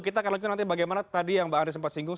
kita akan nanti bagaimana tadi yang mbak andre sempat singgung